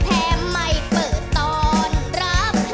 แท้ไม่เปิดตอนรับใคร